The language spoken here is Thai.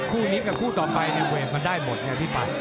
คู่นี้กับคู่ต่อไปในเวทมันได้หมดไงพี่ปัด